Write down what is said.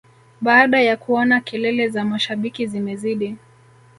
baada ya kuona kelele za mashabiki zimezidi